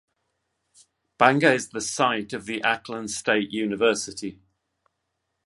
Banga is the site of the Aklan State University.